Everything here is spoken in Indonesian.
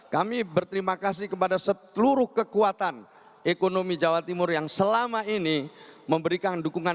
kami berterima kasih kepada seluruh kekuatan ekonomi jawa timur yang selama ini memberikan dukungan